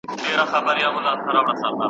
او د هري ښایستې کلمې د کارولو لپاره ځای لري ,